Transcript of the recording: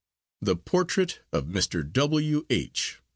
THE PORTRAIT OF MR. W. H.